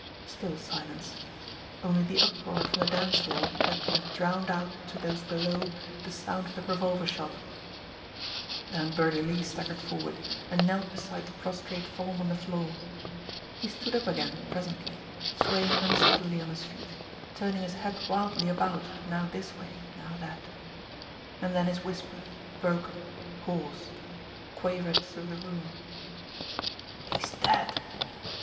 Still silence only the uproar from the dance hall that would have drowned out to those below the sound of the revolver shot. Then Birdie Lee staggered forward, and knelt beside the prostrate form on the floor. He stood up again presently, swaying unsteadily on his feet, turning his head wildly about, now this way, now that. And then his whisper, broken, hoarse, quavered through the room: "He's dead.